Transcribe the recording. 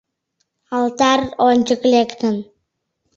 Алтарь ончык лектын...